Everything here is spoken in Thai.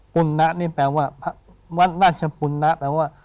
ปุณนะนี่แปลว่าวัดราชปุณนะแปลว่า